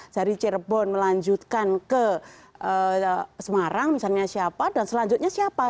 dari cirebon melanjutkan ke semarang misalnya siapa dan selanjutnya siapa